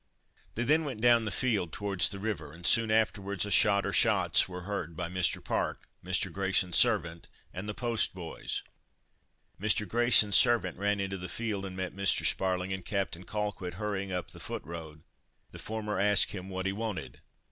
They then went down the field towards the river, and soon afterwards a shot or shots were heard by Mr. Park, Mr. Grayson's servant, and the post boys. Mr. Grayson's servant ran into the field, and met Mr. Sparling and Captain Colquitt hurrying up the foot road, the former asked him "what he wanted?"